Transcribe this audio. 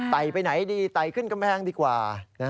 ไปไหนดีไต่ขึ้นกำแพงดีกว่า